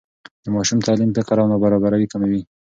د ماشوم تعلیم فقر او نابرابري کموي.